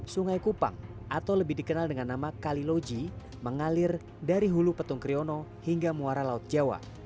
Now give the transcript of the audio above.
sungai kupang atau lebih dikenal dengan nama kaliloji mengalir dari hulu petung kriono hingga muara laut jawa